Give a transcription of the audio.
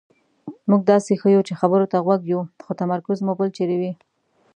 مونږ داسې ښیو چې خبرو ته غوږ یو خو تمرکز مو بل چېرې وي.